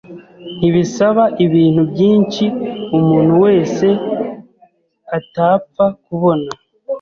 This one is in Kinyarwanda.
ntibisaba ibintu byinshi umuntu wese atapfa kubona